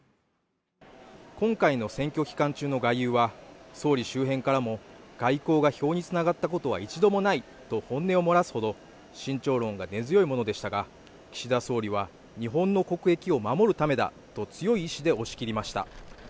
今回の選挙期間中の外遊は総理周辺からも外交が票につながったことは１度もないと本音を漏らすほど慎重論が根強いものでしたが岸田総理は日本の国益を守るためだと強い意志で押し切りました